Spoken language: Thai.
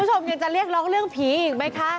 คุณผู้ชมยังจะเรียกร้องเรื่องผีอีกไหมคะ